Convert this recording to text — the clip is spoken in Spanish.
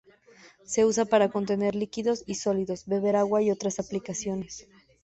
Se usa para contener líquidos y sólidos, beber agua y otras aplicaciones.